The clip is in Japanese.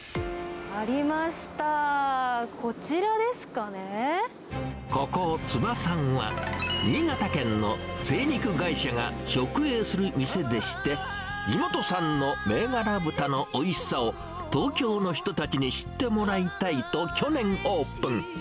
ありました、ここ、燕さんは、新潟県の精肉会社が直営する店でして、地元産の銘柄豚のおいしさを、東京の人たちに知ってもらいたいと去年オープン。